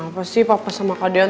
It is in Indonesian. kenapa sih papa sama kak den